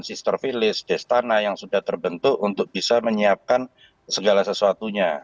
sistem vilis destana yang sudah terbentuk untuk bisa menyiapkan segala sesuatunya